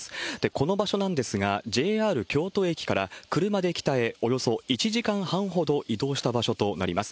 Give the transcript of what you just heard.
この場所なんですが、ＪＲ京都駅から車で北へおよそ１時間半ほど移動した場所となります。